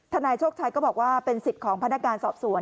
นายโชคชัยก็บอกว่าเป็นสิทธิ์ของพนักการสอบสวน